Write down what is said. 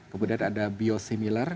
kemudian ada biosimilar